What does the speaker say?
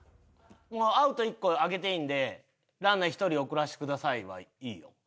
「アウト１個あげていいんでランナー１人送らせてください」はいいよ。